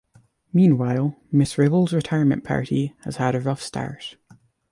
Meanwhile, Ms. Ribble's retirement party has had a rough start.